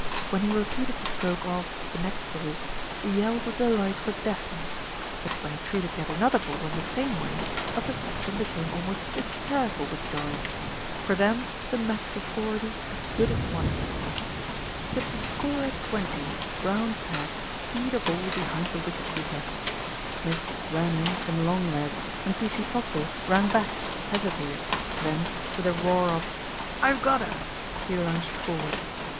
When he repeated the stroke off the next ball, the yells of de light were deafening; but when he treated yet another ball in the same way, Upper Saxton became almost hysterical with joy. For them the match was already as good as won. With the score at twenty, Brown Pad skied a ball behind the wicket keeper. Smith ran in from long leg, and P.C. Postle ran back, hesitated, then, with a roar of "I've got her," he lurched forward.